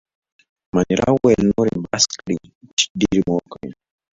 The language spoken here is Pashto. مانیرا وویل: نور يې بس کړئ، چې ډېرې مو وکړې.